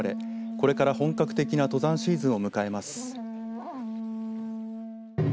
これから本格的な登山シーズンを迎えます。